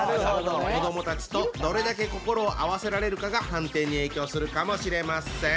子どもたちとどれだけ心を合わせられるかが判定に影響するかもしれません。